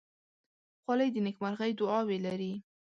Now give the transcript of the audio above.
خولۍ د نیکمرغۍ دعاوې لري.